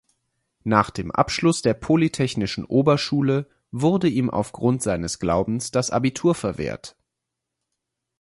Nach dem Abschluss der Polytechnischen Oberschule wurde ihm aufgrund seines Glaubens das Abitur verwehrt.